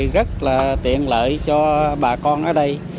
rất là tiện lợi cho bà con ở đây